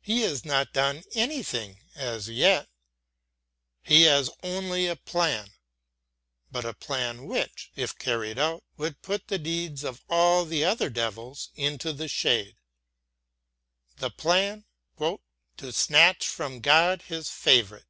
He has not done anything as yet. He has only a plan, but a plan which, if carried out, would put the deeds of all the other devils into the shade the plan "to snatch from God his favorite."